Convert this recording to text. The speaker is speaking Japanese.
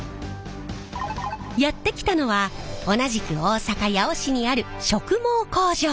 やって来たのは同じく大阪・八尾市にある植毛工場。